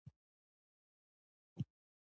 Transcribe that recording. ژبه د محتوا ژبه ده